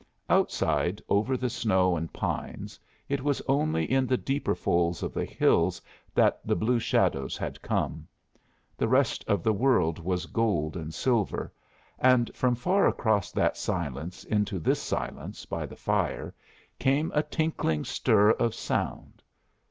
Outside, over the snow and pines, it was only in the deeper folds of the hills that the blue shadows had come; the rest of the world was gold and silver; and from far across that silence into this silence by the fire came a tinkling stir of sound.